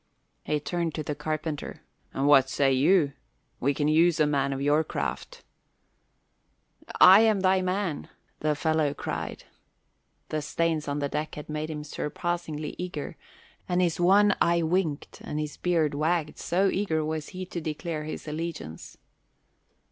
He turned to the carpenter. "And what say you? We can use a man of your craft." "I am thy man!" the fellow cried. The stains on the deck had made him surpassingly eager, and his one eye winked and his beard wagged, so eager was he to declare his allegiance.